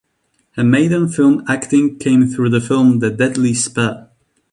Her maiden film acting came through the film "The Deadly Spear".